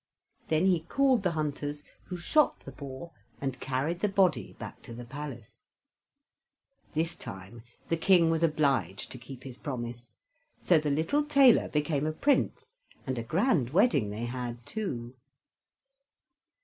Then he called the hunters, who shot the boar and carried the body back to the palace. This time the King was obliged to keep his promise; so the little tailor became a Prince, and a grand wedding they had, too.